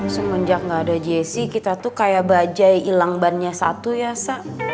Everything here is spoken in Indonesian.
semunjak gak ada jessi kita tuh kayak bajaj ilang bannya satu ya sa